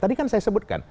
tadi kan saya sebutkan